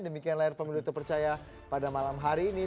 demikian layar pemilu terpercaya pada malam hari ini